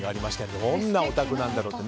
どんなお宅なんだろうと。